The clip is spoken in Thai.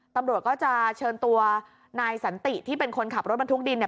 ตำรวจก็จะเชิญตัวนายสันติที่เป็นคนขับรถบรรทุกดินเนี่ย